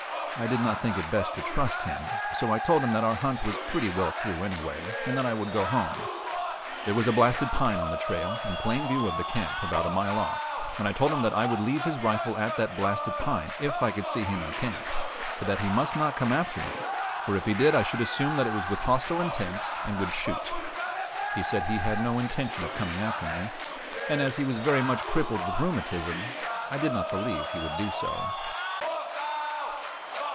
I did not think it best to trust him, so I told him that our hunt was pretty well through, anyway, and that I would go home. There was a blasted pine on the trail, in plain view of the camp, about a mile off, and I told him that I would leave his rifle at that blasted pine if I could see him in camp, but that he must not come after me, for if he did I should assume that it was with hostile intent and would shoot. He said he had no intention of coming after me; and as he was very much crippled with rheumatism, I did not believe he would do so.